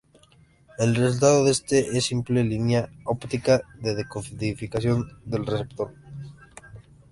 El resultado de esto es simple, lineal, óptima decodificación en el receptor.